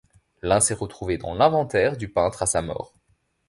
L'un s'est retrouvé dans l'inventaire du peintre à sa mort.